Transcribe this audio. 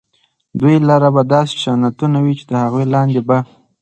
دوى لره به داسي جنتونه وي چي د هغو لاندي به